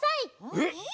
えっ？